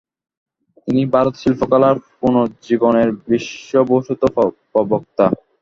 তিনি ভারতশিল্পকলার পুনরুজ্জীবনের বিশ্ববিশ্রুত প্রবক্তা।